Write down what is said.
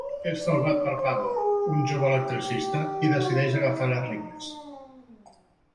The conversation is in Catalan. És salvat per Pablo, un jove electricista, i decideix agafar les regnes.